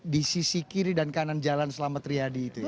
di sisi kiri dan kanan jalan selamat riyadi itu ya